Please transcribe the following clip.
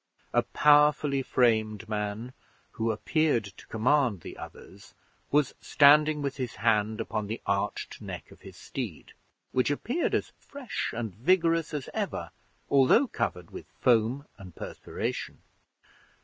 A powerfully formed man, who appeared to command the others, was standing with his hand upon the arched neck of his steed, which appeared as fresh and vigorous as ever, although covered with foam and perspiration.